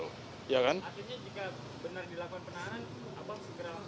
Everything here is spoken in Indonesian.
akhirnya jika benar dilakukan penahanan abang segera langsung